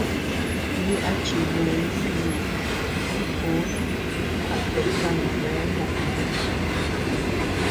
Ndi a chi mee nmiññu, mit uun a tikano bee muʼu.